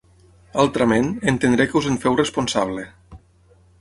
Altrament, entendré que us en feu responsable.